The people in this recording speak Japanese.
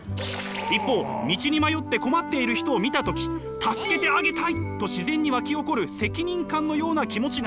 一方道に迷って困っている人を見た時助けてあげたいと自然に沸き起こる責任感のような気持ちがあります。